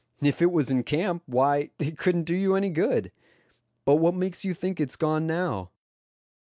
If it was in camp, why, it couldn't do you any good. But what makes you think it's gone now?"